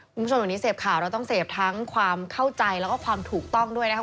คุณผู้ชมเดี๋ยวนี้เสพข่าวเราต้องเสพทั้งความเข้าใจแล้วก็ความถูกต้องด้วยนะครับ